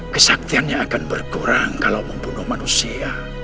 kesaktiannya akan berkurang kalau membunuh manusia